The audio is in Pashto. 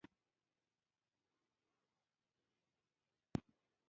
بزګر ژاړي نو د باچا لور پوښتنه وکړه.